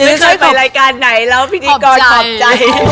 หรือเคยแผ่นรายการไหนแล้วพิธีกรขอบใจ